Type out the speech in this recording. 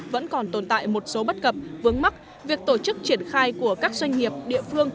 vẫn còn tồn tại một số bất cập vướng mắc việc tổ chức triển khai của các doanh nghiệp địa phương